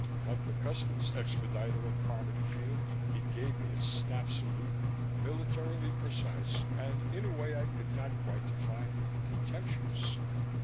Like the Customs expediter at Carmody Field, he gave me a snap salute, militarily precise and, in a way I could not quite define, contemptuous.